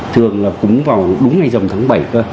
thường là cúng vào đúng ngày dầm tháng bảy cơ